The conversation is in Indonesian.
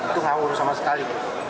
itu ngawur sama sekali